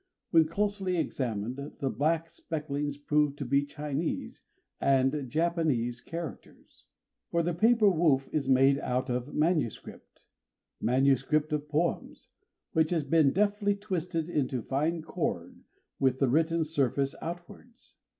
When closely examined, the black specklings prove to be Chinese and Japanese characters; for the paper woof is made out of manuscript, manuscript of poems, which has been deftly twisted into fine cord, with the written surface outwards.